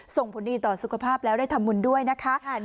ส่งผลดีต่อสุขภาพแล้วได้ทำบุญด้วยนะคะ